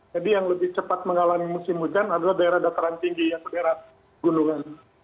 jadi yang lebih cepat mengalami musim hujan adalah daerah dataran tinggi yang daerah gunungan